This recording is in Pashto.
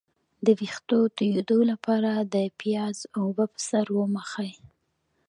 د ویښتو تویدو لپاره د پیاز اوبه په سر ومښئ